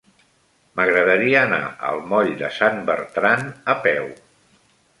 M'agradaria anar al moll de Sant Bertran a peu.